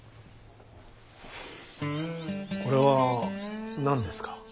これは何ですか？